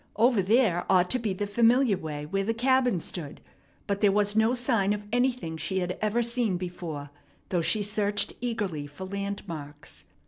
Over there ought to be the familiar way where the cabin stood, but there was no sign of anything she had ever seen before, though she searched eagerly for landmarks.